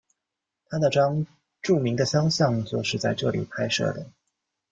他那张着名的肖像就是在这里拍摄的。